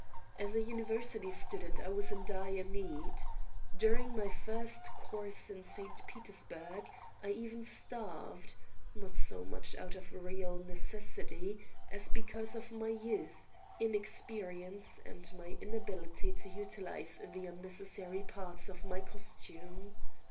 As a university student I was in dire need. During my first course in St. Peters burg I even starved not so much out of real ne cessity as because of my youth, inexperience, and my inability to utilize the unnecessary parts of my costume.